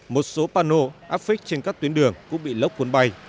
một số pano áp phích trên các tuyến đường cũng bị lốc cuốn bay